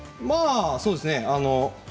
まあそうですね。